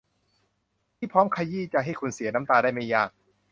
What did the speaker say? ที่พร้อมขยี้ใจให้คุณเสียน้ำตาได้ไม่ยาก